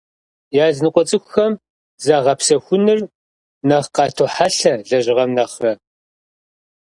Языныкъуэ цӀыхухэм загъэпсэхуныр нэхъ къатохьэлъэ лэжьыгъэм нэхърэ.